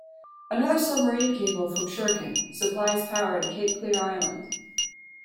Another submarine cable from Sherkin supplies power to Cape Clear island.